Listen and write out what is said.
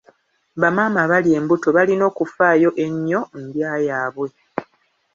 Bamaama abali embuto balina okufaayo ennyo ndya yaabwe.